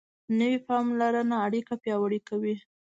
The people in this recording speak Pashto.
نوې پاملرنه اړیکې پیاوړې کوي